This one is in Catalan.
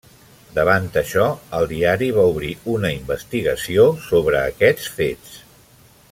Davant això el diari va obrir una investigació sobre aquests fets.